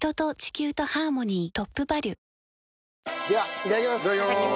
いただきます。